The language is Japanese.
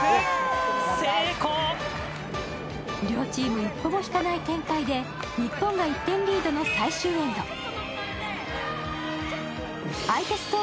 両チーム一歩も引かない展開で日本が１点リードの最終エンド。